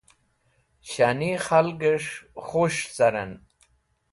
Shani khalges̃h kũsh carẽn.